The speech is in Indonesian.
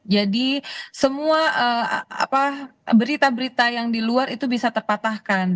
jadi semua berita berita yang di luar itu bisa terpatahkan